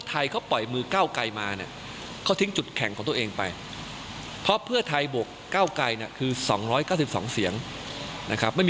ถ้าปล่อยมือแล้วเค้าเอาด้วยก็จบ